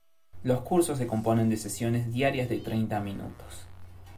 Los cursos se componen de sesiones diarias de treinta minutos.